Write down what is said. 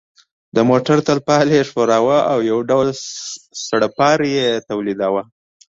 د موټر ترپال یې ښوراوه او یو ډول سړپاری یې تولیداوه.